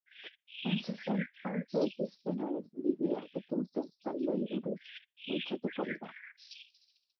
Hain zuzen, autoekoizpenaren bidea hautatu duten taldeei buruz mintzatuko dira.